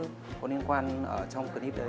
có liên quan ở trong clip đấy